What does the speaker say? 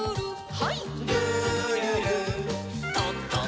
はい。